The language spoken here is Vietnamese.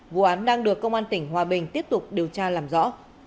vụ án đang được công an tỉnh hòa bình tiếp tục điều tra làm rõ